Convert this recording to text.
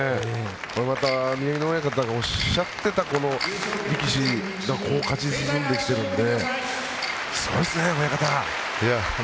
これまた宮城野親方がおっしゃっていた力士が勝ち進んできているのですごいですね、親方。